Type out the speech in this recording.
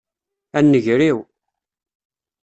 A nnger-iw!